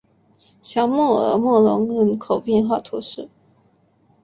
小穆尔默隆人口变化图示